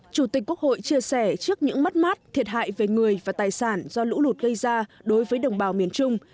chủ tịch quốc hội chia sẻ trước những mất mát thiệt hại về người và tài sản do lũ lụt gây ra đối với đồng bào miền trung